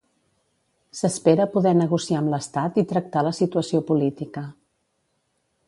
S'espera poder negociar amb l'Estat i tractar la situació política.